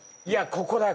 ここだよ